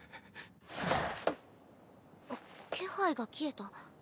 あっ気配が消えた？